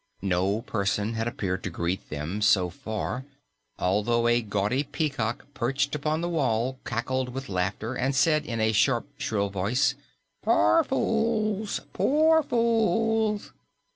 No person had appeared to greet them so far, although a gaudy peacock perched upon the wall cackled with laughter and said in its sharp, shrill voice, "Poor fools! Poor fools!"